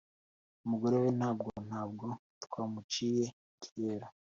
Umugore we ntabwo ntabwo twa muciye iryera